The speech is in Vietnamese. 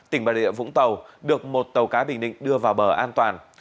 tỉnh bà rịa vũng tàu được một tàu cá bình định đưa vào bờ an toàn